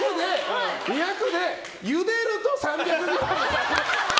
２００でゆでると３００ｇ。